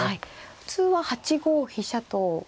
普通は８五飛車と。